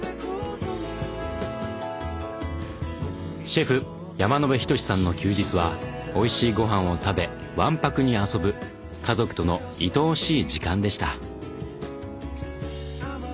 シェフ山野辺仁さんの休日はおいしいごはんを食べわんぱくに遊ぶ家族とのいとおしい時間でした。